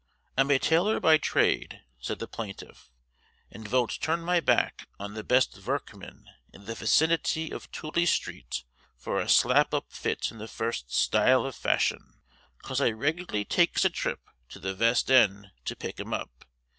"I'm a tailor by trade," said the plaintiff, "and von't turn my back on the best vorkman in the wicinity of Tooley street for a slap up fit in the first stile of fashion, 'cause I regularly takes a trip to the vest end to pick 'em up.